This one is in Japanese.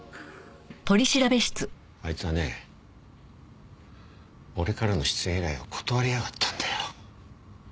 あいつはね俺からの出演依頼を断りやがったんだよ。